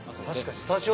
確かに。